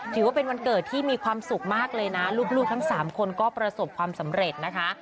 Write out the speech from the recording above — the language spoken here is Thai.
ถือว่าเป็นวันเกิดที่มีความสุขมากเลยนะลูกทั้ง๓คนก็ประสบความสำเร็จนะคะ